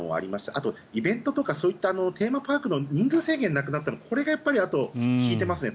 あとイベントとかそういったテーマパークの人数制限がなくなったのはこれがやっぱり利いていますね